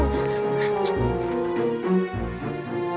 saya belum bisa